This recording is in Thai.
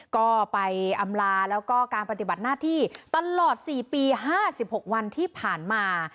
ก็ไปอำลาแล้วก็การปฏิบัติหน้าที่ตลอด๔ปี๕๖วันที่ผ่านมา